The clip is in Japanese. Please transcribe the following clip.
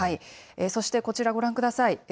そして、こちらご覧ください。